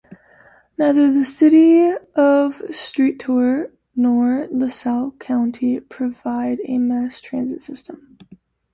Neither the city of Streator nor LaSalle County provide a mass transit system.